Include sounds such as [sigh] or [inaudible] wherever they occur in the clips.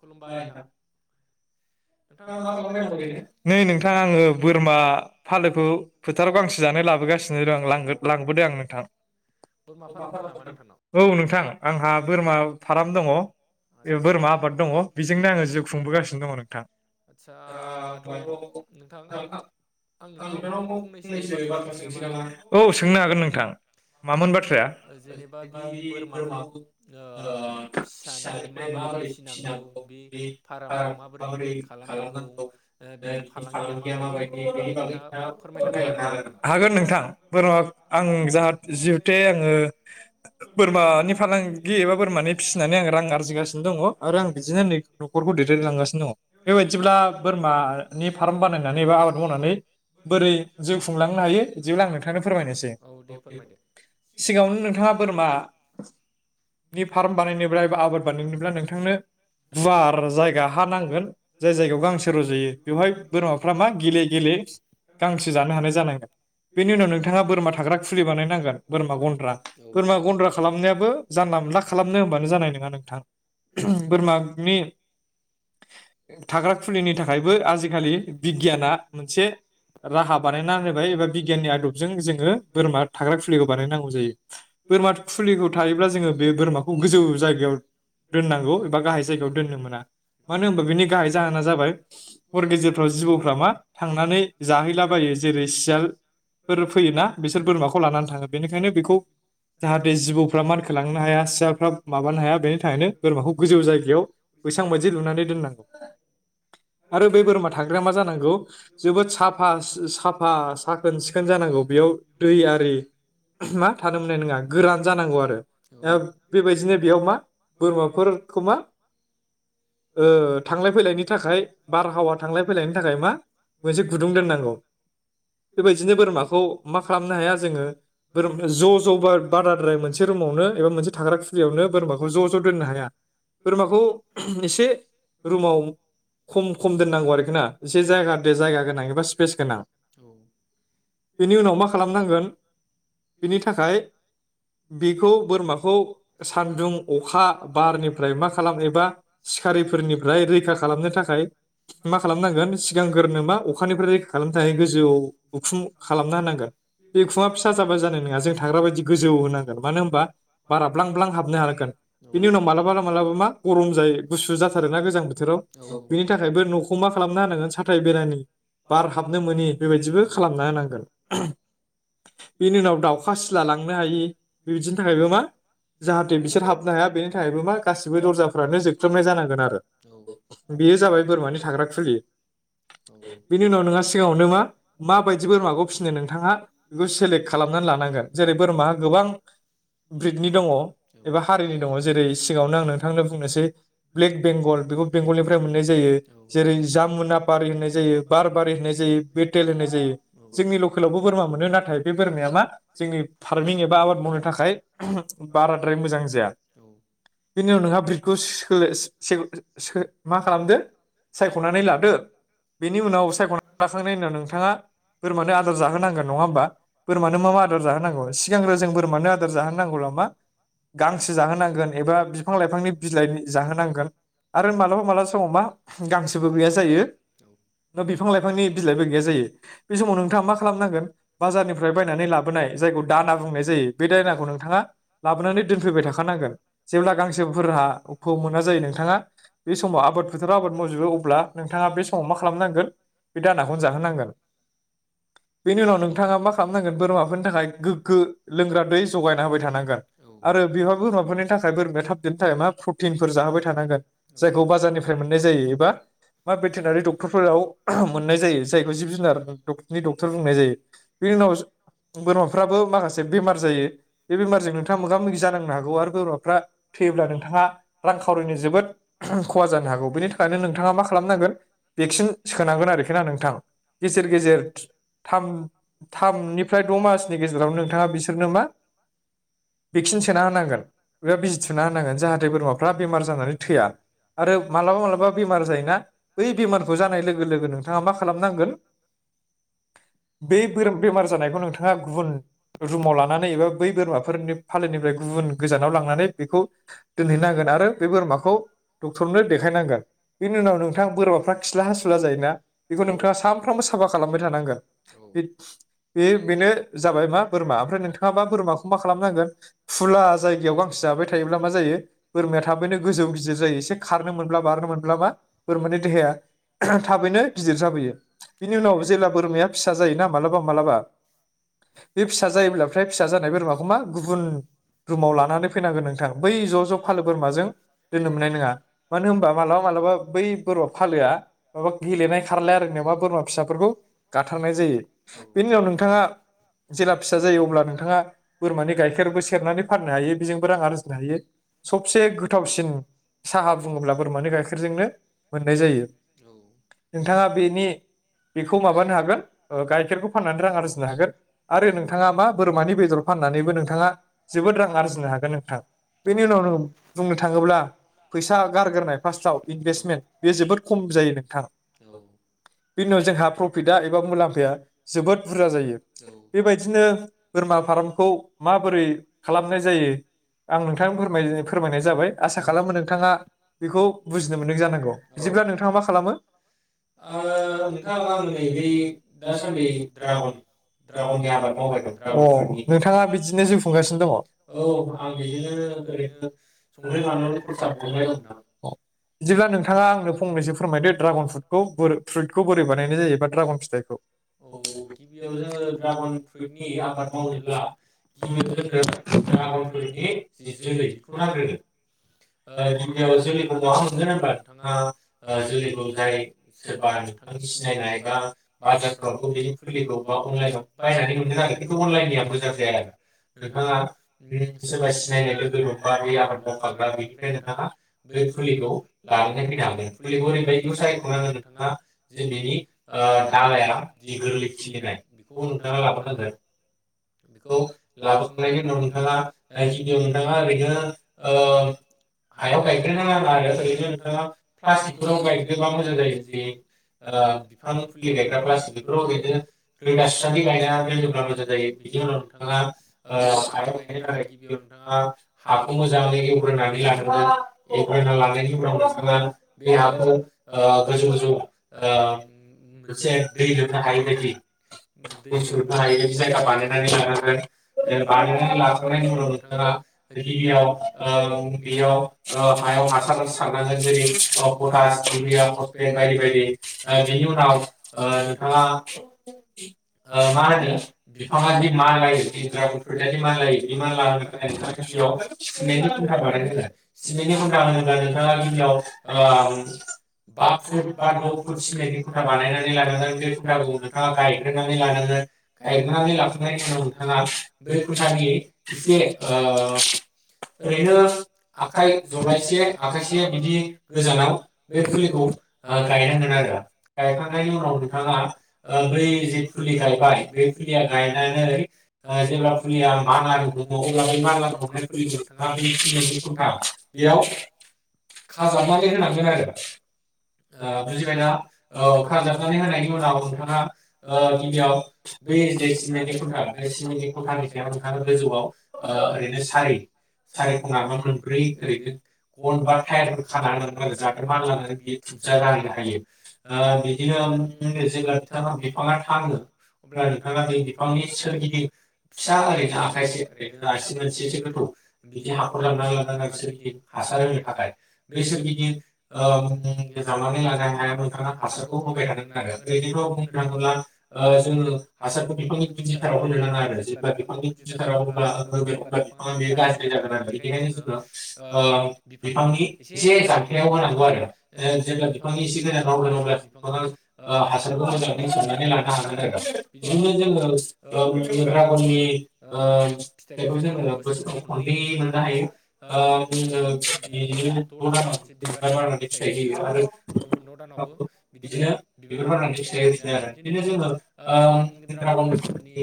खुलुमबाय नोंथां, [unintelligible] नै नोंथां आङो बोरमा फालोखौ फोथाराव गांसे जानो लाबोगासिनो दं लांबोदों आं नोंथां औ नोंथां आंहा बोरमा फाराम दङ बोरमा आबाद दङ बेजोंनो आङो जिउ खुंबोगासिनो दङ नोंथां आदसा होमबाथ' नोंथां आं आं नोंथांनावाव फंनैसो बाथ्रा सोंसै नामा? जेनेबा बि बोरमाखौ ओ फिसानिफ्राय माबोरै फिनांगौ [unintelligible] माबोरै [unintelligible] बे फालांगिया मा बादि बेनि बागै नोंथाङा फोरमायहरनो हागोन नामा? हागोन नोंथां बोरमा आं जाहा जिहुथे आङो, बोरमानि फालांगि एबा बोरमानि फिसिनानै आङो रां आरजिगासिनो दङ आरो आं बिदिनो नै न'खरखौ दैदेनलांगासिनो दङ। बेबायदिब्ला बोरमा नि फार्म बानायनानै एबा आबाद मावनानै बोरै जिउ खुंलांनो हायो बिदिब्ला आं नोंथांनो फोरमायनोसै सिगाङावनो नोंथाङा बोरमा नि फार्म बानायनोब्ला एबा आबाद बानायनो बिब्दिला नोंथांनो गुवार जायगा, हा नांगोन जाय जायगायाव गांसो रज'यो बेवहाय बोरमाफ्रा मा गेले गेले गांसो जानो हानाय जानांगोन बेनि उनाव नोंथाङा बोरमा थाग्रा खुलि बानायनांगोन बोरमा गन्द्रा बोरमा गन्द्रा खालामनायाबो जानला मोनला खालामनो होनबानो जानाय नङा नोंथां। बोरमाबनि थाग्रा खुलिनि थाखायबो आजिखालि बिगियाना मोनसे राहा बानायना होनबाय एबा बिगियाननि आदबजों जोङो बोरमा थाग्रा खुलिखौ बानायनांगौ जायो बोरमा फुलिखौ थायोब्ला जोङो बे बोरमाखौ गोजौ जायगायाव, दोननांगौ एबा गाहाय जायगायाव दोननो मोना मानो होनबा गाहाय जाहोना जाबाय हर गेजेरफ्राव जिबौफ्रा मा थांनानै जाहैलाबायो जेरै सियालफोर फैयोना बिसोर बोरमाखौ लानानै थाङो बेनिखायनो बेखौ जाहाथे जिबौफ्रा मानखोलांनो हाया सियालफ्रा माबानो हाया बेद थाखायनो बोरमाखौ गोजौ जायगायाव बैसां बायदि लुनानै दोननां आरो बै बोरमा थांग्राया मा जानांगौ जोबोद साफा सा साफा साखोन सिखोन जानांगौ बेयाव दै आरि मा थानो मोननाय नङा गोरान जानांगौ आरो आ बेबायदिनो बेयाव मा बोरमा फोरखौ मा? ओ थांलाय फैलायनि थाखाय बारहावा थांलाय फैलायनि थाखाय मा मोनसे गुदुं दोननांगौ। बेबायदिनो बोरमाखौ मा खालामनो हाया जोङो बोर ज' ज' बाराद्राय मोनसे रुमावनो एबा मोनसे थाग्रा खुरियावनो बोरमाखौ ज' हाया बोरमाखौ, एसे रुमाव खम खम दोननांगौ आरोखि ना एसे जायगा दे जायगा गोनां एबा स्पेस गोनां बेनि उनाव मा खालामनांगोन बेनि थाखाय बेखौ बोरमाखौ सानदुं हा बारनिफ्राय मा खालाम एबा सिखारिफोरनिफ्राय रैखा खालामनो थाखाय मा खालामनांगोन सिगांग्रोनो मा अखानिफ्राय रैखा खालामनो थाखाय गोजौ उखुं खालामना होनांगोन। बे उखुङा फिसा जाबा जानाय नोंङा जों थाग्रा बायदि गोजौ होनांगोन मानो होनबा बारा ब्लां ब्लां हाबनो हागोन। बिनि उनाव मालाबा मालाबा मा गरम जायो। गुसु जाथारोना गोजां बोथोराव बिनि थाखायबो न'खौ मा खालामना होनांगोन साथाय बेरानि बार हाबनो मोनि बेबायदिबो खालामना होनांगोन। बेनि उनाव दाउखा सिला लांनो हायि बिब्दिनि थाखायबो मा जाहाथे बिसोर हाब हाया बिनि थाखायबो मा गासैबो दरजाफोरानो जोख्लोबनाय जानांगोन आरो बेयो जाबाय बोरमानि थाग्रा खुलि। बिनि उनाव नोंहा सिगाङावनो मा मा बायदि बोरमाखौ फिसिनो नोंथाङा गो खालामनानै लानांगोन जेरै बोरमा गोबां ब्रिदनि दङ एबा हारिनि दङ जेरै सिगाङावनो आं नोंथांनो बुंनोसै ब्लेक बेंगल बेखौ बेंगलनिफ्राय मोननाय जायो जेरै जामुनापारि होननाय जायो बार बारि होननाय जायो बेटेल होननाय जायो जोंनि लकेलावबो बोरमा मोनो नाथाय बे बोरमाया मा जोंनि फारमिं एबा आबाद मावनो थाखाय बाराद्राय मोजां जा जाया बेनि उनाव नोंहा ब्रिदखौ [unintelligible] मा खालामदो सायख'नानै लादो बेनि उनाव सायख'नानै लाखांनायनि उनाव नोंथाङा बोरमानो आदार जाहोनांगोन नङा होमबा? बोरमानो मा मा आदार जाहोनांगौ सिगांग्रो जों बोरमानो आदार जाहोन नांगौब्ला मा गांसो जाहोनांगोन एबा बिफां लाइफांनि बिलाइ जाहोनांगोन आरो मालाबा मालाबा समाव मा गांसोबो गैया जायो, बा बिफां-लाइफांनि बिलाइबो गैया जायो बे समाव नोंथाङा मा खालामनांगोन? बाजारनिफ्राय बायनानै लाबोनाय जायखौ दाना बुंनाय जायो बे दायनाखौ नोंथाङा लाबोनानै दोनफैबाय थाखानांगोन जेब्ला गांसोफोरा खौ मोना जायो नोंथाङा बे समाव आबाद फोथाराव आबाद मावजोबो अब्ला नोंथाङा बे समाव मा खालामनांगोन बे दानाखौनो जाहोनांगोन। बेनि उनाव नोंथाङा मा खालामनांगोन बोरमाफोरनि थाखाय गोग्गो लोंग्रा दै जगायना होबाय थानांगोन। आरो बिहा बोरमाफोरनि थाखाय बोरमाया थाब देरनो थाखाय मा प्रटिनफोर जाहोबाय थानांगोन जायखौ बाजारनिफ्राय मोननाय जायो एबा मा भेटेनारि डक्टरफोराव मोननाय जायो जायखौ जिब जुनार डक्तरनि क्टर बुंनाय जायो बेनि उनाव बोरमाफ्राबो माखासे बेमार जायो बे बेमारजों नोंथाङा मोगा मोगि जानांनो हगौ आरो गोरबाफ्रा थैयोब्ला नोंथाङा रां खावरिनो जोबोद खहा जानो हागौ बेनि थाखायनो नोंथाङा मा खालामनांगोन भेक्सिन सोनांगोन आरोखि ना नोंथां गेजेर गेजेर थाम थामनिफ्राय द' मासनि गेजेराव नोंथाङा बिसोरनो मा भेक्सिन सोना होनांगोन एबा बिजि थुना होनांगोन जाहाथे बोरमाफ्रा बेमार जानानै थैया आरो मालाबा मालाबा बेमार जायोना बै बेमारखौ जानाय लोगो लोगो नोंथाङा मा खालामनांगोन बे बोर बेमार जानायखौ नोंथाङा गुबुन रुमाव लानानै एबा बै बोरमाफोरनि फाललिनिफ्राय गुबुन गोजानाव लांनानै बेखौ दोनहैनांगोन आरो बे बोरमाखौ डक्टरनो देखायनांगोन बेनि उनाव नोंथाङा बोरमाफ्रा खिला हासुला जायोना बेखौ नोंथाङा सानफ्रामबो साफा खालामबाय थानांगोन। बे-बेनो जाबाय मा बोरमा ओमफ्राय नोंथाङाबा बोरमाखौ मा खालामनांगोन फुला जायगायाव गांसो जाबाय थायोब्ला मा जायो बोरमाया थाबैनो गोजौ गिदिर जायो एसे खारनो मोनब्ला बारनो मोनब्ला मा बोरमानि देहाया थाबैनो गिदिर जाबोयो बिनि उनाव जेब्ला बोरमाया फिसा माबा मालाबा बे फिसा जायोब्ला फ्राय फिसा जानाय बोरमाखौमा उं रुमाव लानानै फैनांगोन नोंथां बै ज' ज' फालो बोरमाजों दोननो मोननाय नङा मानो होनबा मालाबा मालाबा बै बोरा फालोआ माबा गेलेनाय खारल आरो बोरमा फिसाफोरखौ गाथार बेनि उनाव नोंथाङा जेब्ला फिसा जायो अब्ला नोंथाङा बोरमानि गाइखेरबो सेरनानै फाननो हायो बेजोंबो रां आरजिनो हायो सबसे गोथावसिन साहा बुङोब्ला बोरमानि गाइखेरजोंनो मोननाय जायो नोंथाङा बेनि बेखौ माबानो हागोन औ गाइखेरखौ फाननानै रां आरजिनो हागोन आरो नोंथाङा मा बोरमानि बेदर फाननानैबो नोंथां थाङा जोबोद रां आरजिनो हागोन नोंथां बेनि उनाव बुंनो थाङोब्ला फैसा गारग्रोनाय फार्स्टाव इनभेस्मे बे जोबोद खम जायो नोंथां बेनि उनाव जोंहा प्रफिटा एबा मुलाम्फा जोबोद बुरजा जायो बेबायदिनो बोरमा फार्मखौ माबोरै खालामनाय जायो आं नोंथां फोरम फोरमायनाय जाबाय आसा खालामो नोंथाङा बेखौ बुजिनो मोन्नाय जानांगौ बिदिब्ला नोंथाङा मा खालामो ओ नोंथांआं नै बे दासान्दि ड्रागन ड्रागननि आबाद मावबाय दंथ अ नोंथाङा बिदि जोफुंगासिनो दङ बिदिब्ला नोंथाङा आंनो फंनैसो फोरमायदो ड्रागन फ्रुटखौ फ्रुटइखौ बोरै बानायनाय जायोबा ड्रागन फिथाइखौ औ गिबियाव जोङो दड्रागन फ्रुइटनि आबाद मावनोब्ला गिबियाव जोंनो ड्रागन फ्रुइटनि जि जोलै बेखौ नांग्रोगोन गिबियाव जोलैखौ बहा मोनगोन हब्ला नोंथाङा जोलैखौ जाय सोरबा नोंथांनि सिनायनाय बा बाजारफ्रावबो बिनि फुलिखौ बा अनलाइनाव बायनानै मोनगोन आरो खिन्थु अनलाइननिया मोजां जाया आरो नोंथांङा उम सोरबा सिनायनाय लोगो दंबा बे आबाद मावखाग्रा बेनिफ्राय नोंथांङा बै फुलिखौ लानानै फैनो हागोन फुलिखौ ओरैबायदिखौ सायख'नांगोन नोंथांङा जे बिनि ओ दालाया जि गोरलै खिलिनाय बेखौ नोंथांङा लाबोनांगोन बेखौ लाबोखांनायनि उनाव नोंथांङा गिबियाव नोंथांङा ओरैनो ओम हायाव गायग्रोनो नांङा आरो ओरैनो नोंथांङा प्लास्टिकफोराव गायग्रोयोबा मोजां जायो जि ओ बिफां फुलि गायग्रा प्लास्टिक बेफोराव ओरैनो रोदा सुसान्दि गायना दोनोब्ला मोजां जायो बिनि उनाव नोंथांङा ओ हायाव गायनो थाखाय गिबियाव नोंथांङा हाखौ मोजांङै एवग्रोनानै लानांगोन एवग्रोना लानायनि उनाव नोंथांङा बे हाखौ ओ गोजौ गोजौ ओ उम मोनसे दै लोमनो हायै बायदि उम दै सुरोबनो हायि बायदि जायगा बानायनानै लानांगोन उम बानायनानै लाखांनायनि उनाव नोंथांङा गिबियाव ओ बेयाव ओ हायाव हासार सारनांगोन जेरै पटास इउरिया फस्टेन बायदि बायदि ओ बेनि उनाव ओ नोंथांङा ओ मा होनो बिफांङा जि मानलायो जि [unintelligible] बानायनानै लानांगोन बे खुन्थाखौ नोंथांङा गायग्रोनानै लानांगोन‌ गायग्रोनानै लाखांनायनि उनाव नोंथांङा बै खुन्थानि एसे ओ ओरैनो आखाइ जलायसे आखायसे बिदि गोजानाव बे फुलिखौ ओ गायनांगोन आरो गायखांनायनि उनाव नोंथांङा ओ बै जि फुलि गायबाय बै फुलिया गायनानै ओ जेब्ला फुलिया मानलानो हमो अब्ला बे मानला हमनाय फुलि बेथ बेयाव खाजाबनानै होनांगोन आरो ओ बुजिबाय ना औ खाजाबनानै होनायनि उनाव नोंथांङा ओ गिबियाव बे जे सिमेन्टनि खुन्था खुन्टानि सायाव नोंथांङा गोजौआव ओ ओरैनो सारि सारि खना‌ बा मोनब्रै ओरैनो गन बा टायारफोर खाना होनांगोन आरो जाहाथे मानलानानै बियो थुबजा जाहैनो हायो। ओ बिदिनो उम्म जेब्ला बिथांङा बिफांङा थांङो अब्ला नोंथांङा बै बिफांनि सोरगिदिं फिसा ओरैनो आखायसे ओरैनो आसि मोनसेसो गोथौ बिदि हाखर जावनानै लानांगोन आरो सोरगिदिं हासार होनो थाखाय बे सोरगिदिं उम्म जावनानै लानो हायाव नों थांङा हासारखौ होबाय थानांगोन‌ आरो बिदिखौ बुंनो थांङोब्ला ओ जोंङो हासारखौ बिफांनि गुदिथाराव होनो नांङा आ जेब्ला बिफांनि गुदिथाराव अब्ला ओ होगोन अब्ला बिफांङा बे गाज्रि जागोन आरो बिनिखायनो जोंङो ओ बिफांनि एसे जानथायाव होनांगौ आरो जेब्ला बिफांनि एसे गोजानाव हो गोन अब्लासो बिफांङा ओ हासारखौ मोजांङै सोबनानै लानो हागोन आरो बिदिनो जोंङो उम्म ड्रागननि ओ फिथाइखौ जोंङो बोसोराव खननै मोननो हायो ओ उम बियो द' दानाव खनसे बिबार बारनानै फिथाइ होयो आरो गुबुन द' दानाव बो बिदिनो बिबार बारनानै फिथाइ होफिनो आरो बिदिनो जोंङो ओ उम द्रागननि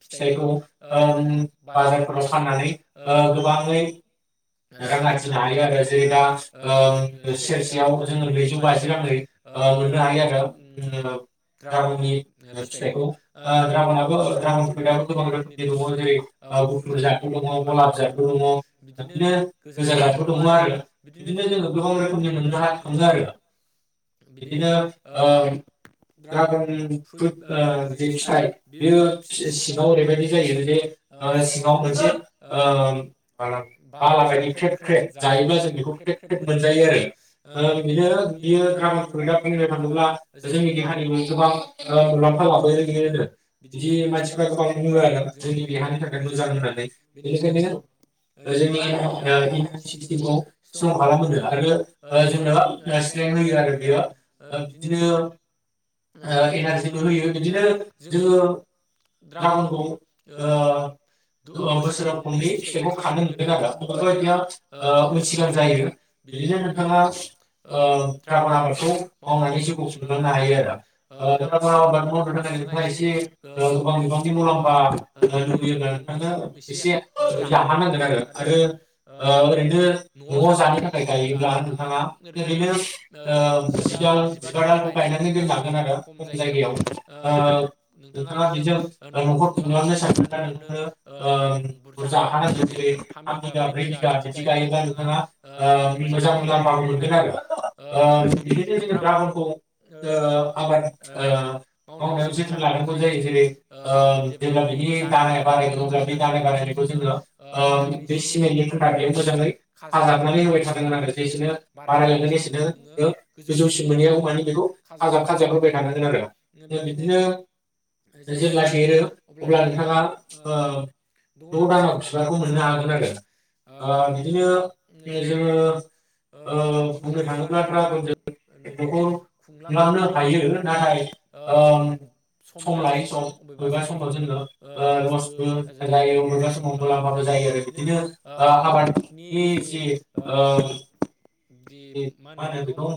फिथाइखौ उम्म बाजारफोराव फाननानै ओ गोबांङै रां आरजिनो हायो आरो जेरै दा उम्म सेरसेयाव जोंङो नैजौ बाजि रांङै ओ मोननो हायो आरो उम ड्रागननि फिथाइखौ ओ ड्रागनाबो ड्रागन फ्रुइटाबो गोबां रोखोमनि दंङ जेरै ओ गुफुर जाथ दंङ गलाब जाथ बो दंङ बिदिनो बिदिनो गोजा गाबो दङ आरो बिदिनो जोङो गोबां रोखोमनि मोननो हा थाङो आरो। बिदिनो ओ ड्रागननि फ्रुट ओ जे फिथाइ बेयो फि सि सिङाव ओरैबायदि जायो जे सिङाव मोनसे ओ ओ बाला बायदि ख्रेब ख्रेब जायोब्लाा जों बेखौ ख्रेब ख्रेब मोनजायो आरो बिनो बियो गाम दा बुंनो थाङोब्ला जोंनि देहानिबो गोबां मुलाम्फा लाबोयो होनो बिदि मानसिफ्रा गोबां बुङो आरो जोंनि देहानि थाखाय मोजां होननानै बेनिखायनो [unintelligible] आरो जोंनि जोंनो स्ट्रें होयो आरो बेयो ओ बिदिनो ओ एनारजिबो होयो बिदिनो जोंङो द्रागनखौ ओ गोब बोसोराव खनै फिथाइखौ खानो [unintelligible] मोनगोन। ओ उन सिगां जायो बिदिनो नोंथांआ ओ द्रागन आबादखौ मावनानै जिउखौ खुंलांनो हायो आरो ओ ड्रागन आबबाद मावनो थाखाय नोंथाङा एसे गोबां बिबांनि मुलाम्फा लुबैयोब्ला नोंथांनो एसे बुरजा हानांगोन आरो आरो ओ ओरैनो न'आव जानो थाखाय गायोब्ला नोंथाङा ओरैनो ओ दाल जिबा दालखौ गायनानै दोननो हागोन आरो खम जायगायाव ओ नोंथाङा बेजों ओ न'खर खुंलांनो सानदोंब्ला नोंथांनो ओम बुरजा हानांगोन जेरै थाम थाम बिगा ब्रै बिघा बिदि गायोब्ला नोंथाङा ओ मोजां मोजां [unintelligible] मोनगोन आरो ओ बिदि जेब्ला द्रागनखौ ओ आबाद ओ मावनायाव जोथोन लानांगौ जायो जेरै ओम जेब्ला बिनि दानाया बारायगोन अब्ला बिनि दानायखौ जोंङो ओम बे सिमेन्टनि खुन्था बेयो मोजाङै फाजाबनानै होबाय थानांगोन आरो जेसेनो बारायलांगोन एसेनो गो गोजौसिम मोनहैयागौ मानि बेखौ खाजाब खाजाब होबाय थानांगोन आरो बिदिनो जेब्ला देरो अब्ला नोंथाङा ओ द दानाव बिबारखौ मोननो हागोन आरो। आरो ओबिदिनो जोङो ओ बुंनो थाङोब्ला [unintelligible] न'खर खुंलांनो हायो नाथाय ओम सम लायै सम अबेबा समाव जोङो ओ लसबो जायो अबेबा समाव मुलाम्फाबो जायो आरो बिदि ओ आबादनि जि ओम जि मा होनो बेखौ मु